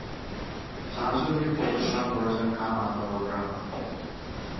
ছায়াছবিটি পরিচালনা করেছেন খান আতাউর রহমান।